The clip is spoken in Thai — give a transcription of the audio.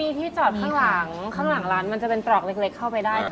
มีที่จอดข้างหลังข้างหลังร้านมันจะเป็นตรอกเล็กเข้าไปได้